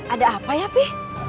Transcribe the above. ada apa ya pi